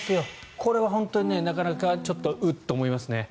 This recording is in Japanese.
これは本当になかなかちょっとうっと思いますね。